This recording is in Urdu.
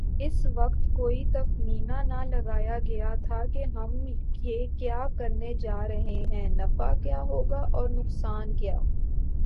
اس وقت کوئی تخمینہ نہ لگایاگیاتھا کہ ہم یہ کیا کرنے جارہے ہیں‘ نفع کیا ہوگا اورنقصان کیا۔